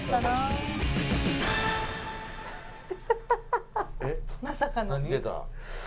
まさかの？